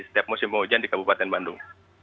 setiap musim penghujan di kabupaten bandung